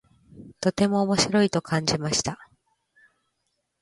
とても面白いと感じました。